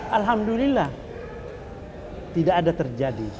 alhamdulillah tidak ada terjadi